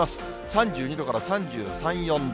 ３２度から３３、４度。